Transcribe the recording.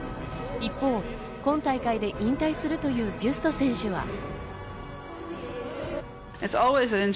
一方、今大会で引退するというビュスト選手は。